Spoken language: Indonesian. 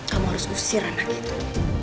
kamu harus usir anak itu